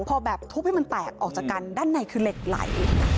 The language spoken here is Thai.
พอแบบทุบให้มันแตกออกจากกันด้านในคือเหล็กไหล